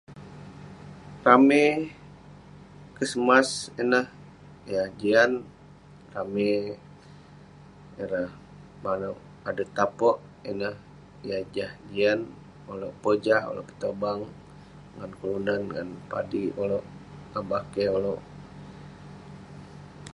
Ramey kesemas ineh yah jian, ramey ireh manouk adet Tapok ineh yah jah jian. Ulouk pojah, ulouk petobang ngan kelunan ngan padik ulouk ngan bakeh ulouk.